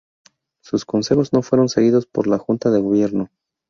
Sus consejos no fueron seguidos por la Junta de Gobierno.